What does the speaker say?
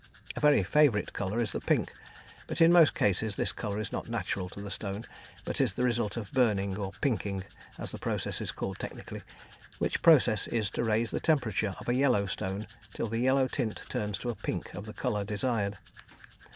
A very favourite colour is the pink, but in most cases this colour is not natural to the stone, but is the result of "burning," or "pinking" as the process is called technically, which process is to raise the temperature of a yellow stone till the yellow tint turns to a pink of the colour desired.